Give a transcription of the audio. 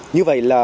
như vậy là